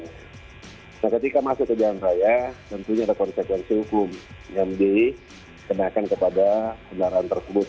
nah ketika masuk ke jalan raya tentunya ada konsekuensi hukum yang dikenakan kepada kendaraan tersebut